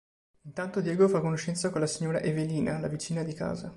Intanto Diego fa conoscenza con la signora Evelina, la vicina di casa.